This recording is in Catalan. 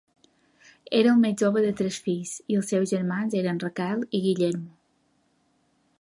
Era el més jove de tres fills, i els seus germans eren Raquel i Guillermo.